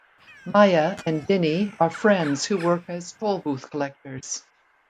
Maya and Dini are friends who work as tollbooth collectors.